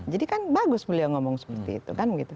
jadi kan bagus beliau ngomong seperti itu kan